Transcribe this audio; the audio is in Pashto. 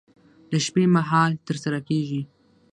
د شپې مهال ترسره کېږي.